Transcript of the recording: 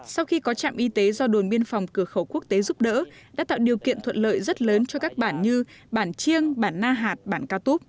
sau khi có trạm y tế do đồn biên phòng cửa khẩu quốc tế giúp đỡ đã tạo điều kiện thuận lợi rất lớn cho các bản như bản chiêng bản na hạt bản ca túp